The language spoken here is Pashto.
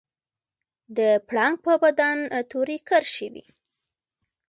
د پړانګ په بدن تورې کرښې وي